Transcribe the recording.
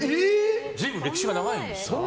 随分歴史が長いんです。